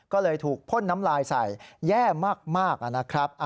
ก็เลยถูกพ่นน้ำลายใส่แย่มากนะครับ